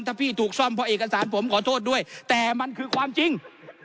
ถ้าพี่ถูกซ่อมเพราะเอกสารผมขอโทษด้วยแต่มันคือความจริง